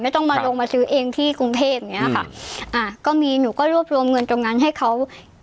ต้องมาลงมาซื้อเองที่กรุงเทพเนี้ยค่ะอ่าก็มีหนูก็รวบรวมเงินตรงนั้นให้เขา